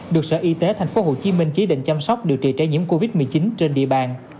được sở y tế tp hcm chỉ định chăm sóc điều trị trẻ nhiễm covid một mươi chín trên địa bàn